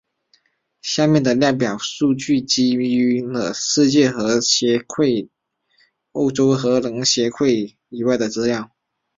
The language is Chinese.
下面的列表数据基于除了世界核协会和欧洲核能协会以外的资料。